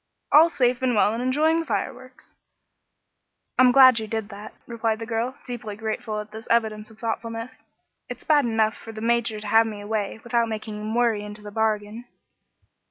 "'All safe and well and enjoying the fireworks.'" "I'm glad you did that," replied the girl, deeply grateful at this evidence of thoughtfulness. "It's bad enough for the Major to have me away, without making him worry, into the bargain."